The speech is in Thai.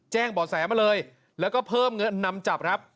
แจ้งบ่อแสมาเลยแล้วก็เพิ่มเงินนำจับครับ